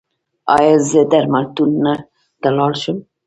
ایا زه درملتون ته لاړ شم؟